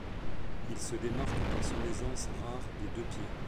Il se démarque par son aisance rare des deux pieds.